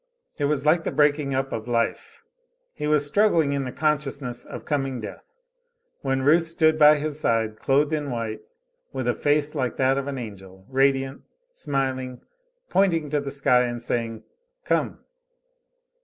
It was like the breaking up of life; he was struggling in the consciousness of coming death: when Ruth stood by his side, clothed in white, with a face like that of an angel, radiant, smiling, pointing to the sky, and saying, "Come."